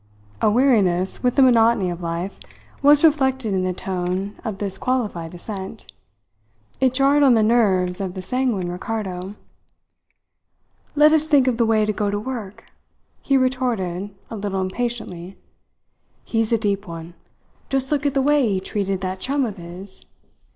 A weariness with the monotony of life was reflected in the tone of this qualified assent. It jarred on the nerves of the sanguine Ricardo. "Let us think of the way to go to work," he retorted a little impatiently. "He's a deep one. Just look at the way he treated that chum of his.